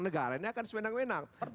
negaranya akan semenang menang